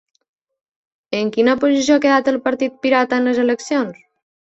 En quina posició ha quedat el Partit Pirata en les eleccions?